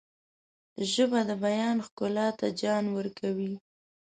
ژبه د بیان ښکلا ته جان ورکوي